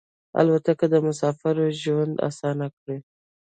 الوتکه د مسافرو ژوند اسانه کړی.